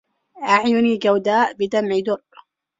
أعيني جودا بدمع درر